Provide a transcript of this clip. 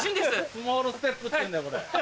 スモールステップっていうんだよこれ。